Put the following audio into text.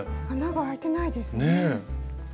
穴があいてないですね。